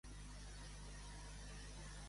A la curra.